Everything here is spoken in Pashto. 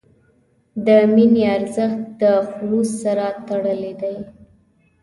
د مینې ارزښت د خلوص سره تړلی دی.